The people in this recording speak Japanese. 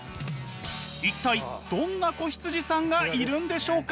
一体どんな子羊さんがいるんでしょうか？